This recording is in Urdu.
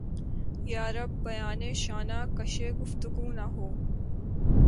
یارب! بیانِ شانہ کشِ گفتگو نہ ہو!